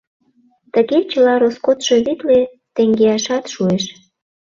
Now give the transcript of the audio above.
Тыге чыла роскотшо витле теҥгеашат шуэш.